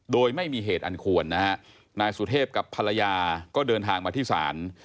โดยไม่มีเหตุอันควรนะฮะนายสุเทพกับภรรยาก็เดินทางมาที่ศาล